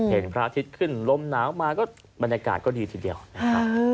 พระอาทิตย์ขึ้นลมหนาวมาก็บรรยากาศก็ดีทีเดียวนะครับ